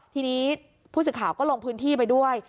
ทีนี้ผู้สื่อข่าวก็ลงพื้นที่ไปด้วย